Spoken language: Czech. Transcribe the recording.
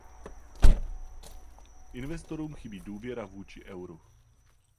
Investorům chybí důvěra vůči euru.